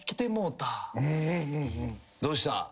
「どうした？」